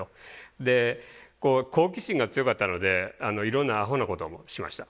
でこう好奇心が強かったのでいろんなアホなこともしました。